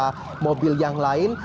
dan juga diikuti beberapa mobil yang lain